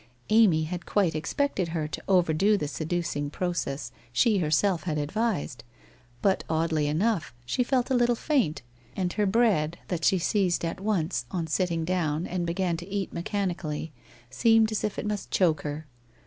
Amy had quite expected her to overdo the seducing process she herself had advised, but oddly enough, she felt a little faint, and her bread, that 208 WHITE ROSE OF WEARY LEAF she seized at once, on sitting down and began to eat me* chanically, seemed as if it must choke her.